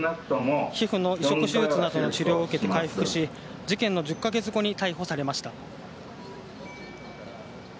皮膚の移植手術などの治療を受けて回復し、事件の１０か月後に逮捕されました。